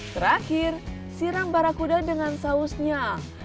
terakhir siram barakuda dengan sausnya